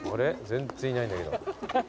全然いないんだけど。